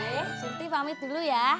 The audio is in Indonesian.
eh senti pamit dulu ya